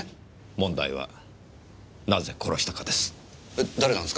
問題はなぜ殺したかです。